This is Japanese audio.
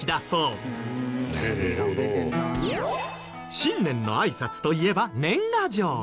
新年のあいさつといえば年賀状。